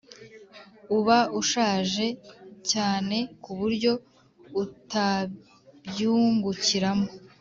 uba ushaje cyane kuburyo utabyungukiramo